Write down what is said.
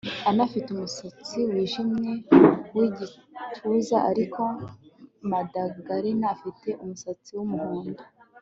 Anna afite umusatsi wijimye wigituza ariko Magdalena afite umusatsi wumuhondo